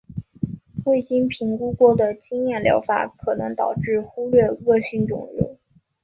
未经评估过的经验疗法可能导致忽略恶性肿瘤。